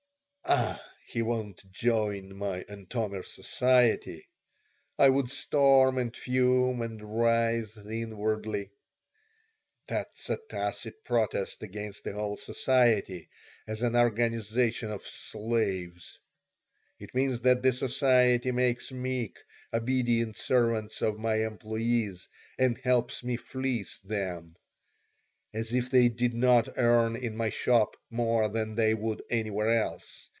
"Ah, he won't join my Antomir Society!" I would storm and fume and writhe inwardly. "That's a tacit protest against the whole society as an organization of 'slaves.' It means that the society makes meek, obedient servants of my employees and helps me fleece them. As if they did not earn in my shop more than they would anywhere else!